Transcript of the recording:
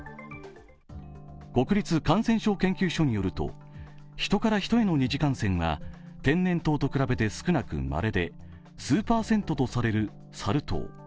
国立感染症研究所によるとヒトからヒトへの二次感染は天然痘と比べて少なくまれで数パーセントとされるサル痘。